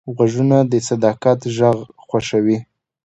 غوږونه د صداقت غږ خوښوي